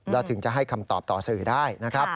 แล้วถึงจะให้คำตอบต่อสื่อได้นะครับ